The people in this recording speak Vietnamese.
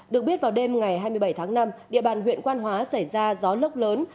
được biết vào đêm ngày hai mươi bảy tháng năm địa bàn huyện quan hóa xảy ra gió lốc lớn